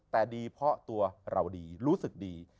แต่ดีเพราะตัวเราดีรู้สึกดี